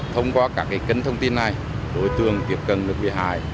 thông qua các kênh thông tin này đối tượng tiếp cận được bị hại